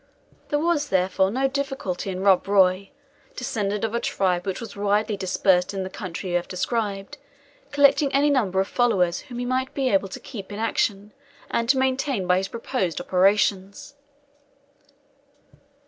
There was, therefore, no difficulty in Rob Roy, descended of a tribe which was widely dispersed in the country we have described, collecting any number of followers whom he might be able to keep in action, and to maintain by his proposed operations.